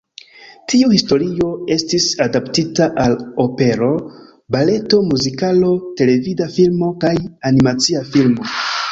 Tiu historio estis adaptita al opero, baleto, muzikalo, televida filmo kaj animacia filmo.